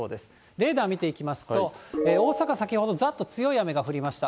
レーダー見ていきますと、大阪、先ほどざっと強い雨が降りました。